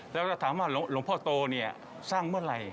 แล้วเราถามว่าหลวงพ่อโตเนี่ยสร้างเมื่อไหร่